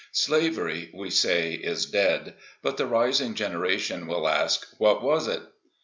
Slavery, we say, is dead; but the rising genera tions will ask : What was it